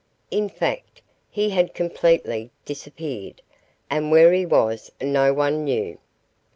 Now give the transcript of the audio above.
In fact, he had completely disappeared, and where he was no one knew.